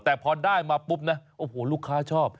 แต่พอได้มาปุ๊บนะโอ้โหลูกค้าชอบ